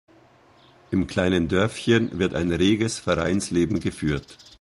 Im kleinen Dörfchen wird ein reges Vereinsleben geführt.